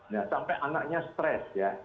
nah sampai anaknya stres ya